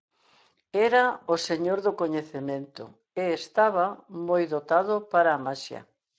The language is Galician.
Era o "Señor do Coñecemento" e estaba moi dotado para a maxia.